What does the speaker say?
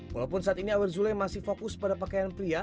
walaupun saat ini awer zule masih fokus pada pakaian pria